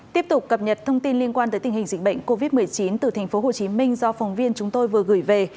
tiếp tục cập nhật thông tin liên quan tới tình hình dịch bệnh covid một mươi chín từ tp hcm do phóng viên chúng tôi vừa gửi về